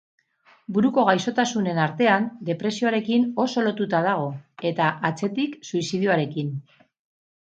Buruko gaixotasunen artean, depresioarekin oso lotuta dago, eta atzetik suizidioarekin.